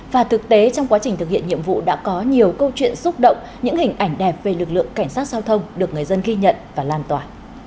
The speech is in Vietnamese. và thực tế trong quá trình thực hiện nhiệm vụ đã có nhiều câu chuyện xúc động những hình ảnh đẹp về lực lượng cảnh sát giao thông được người dân ghi nhận và lan tỏa